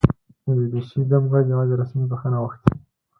بي بي سي دمګړۍ یواځې رسمي بښنه غوښتې